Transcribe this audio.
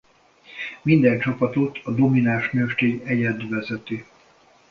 Minden csapatot a domináns nőstény egyed vezeti.